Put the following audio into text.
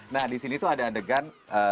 nah disini tuh ada adegan